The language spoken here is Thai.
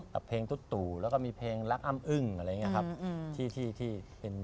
กับเพลงตุ๊ดตู่แล้วก็มีเพลงรักอ้ำอึ้งอะไรอย่างนี้ครับ